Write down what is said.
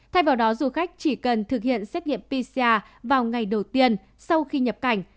thay vào đó du khách chỉ cần thực hiện xét nghiệm pcr vào ngày đầu tiên sau khi nhập cảnh